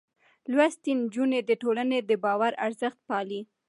لوستې نجونې د ټولنې د باور ارزښت پالي.